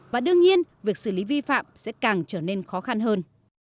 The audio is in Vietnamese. và đương nhiên việc xử lý vi phạm sẽ càng trở nên khó khăn hơn